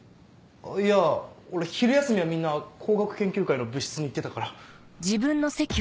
あっいや昼休みはみんな工学研究会の部室に行ってたから。